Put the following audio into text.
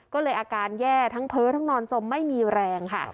ก็เลยอาการแย่ทั้งเพ้อทั้งนอนสมไม่มีแรงค่ะ